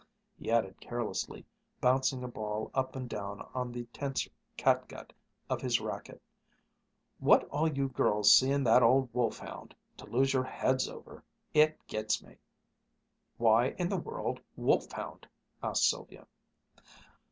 He added carelessly, bouncing a ball up and down on the tense catgut of his racquet: "What all you girls see in that old wolf hound, to lose your heads over! It gets me!" "Why in the world 'wolf hound'?" asked Sylvia.